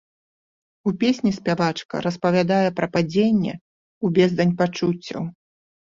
У песні спявачка распавядае пра падзенне ў бездань пачуццяў.